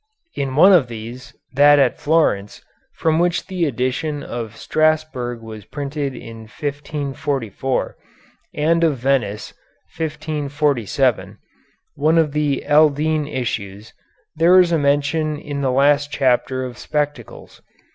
In one of these, that at Florence, from which the edition of Strasburg was printed in 1544, and of Venice, 1547, one of the Aldine issues, there is a mention in the last chapter of spectacles.